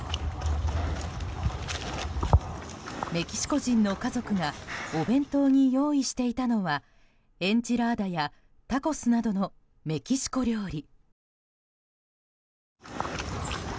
メキシコ人の家族がお弁当に用意していたのはエンチラーダやタコスなどのメキシコ料理。